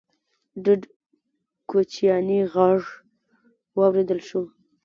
ډډ کوچيانی غږ واورېدل شو: